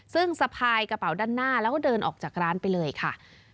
ซึ่งสะพายกระเป๋าด้านหน้าแล้วก็เดินออกจากร้านไปเลยค่ะ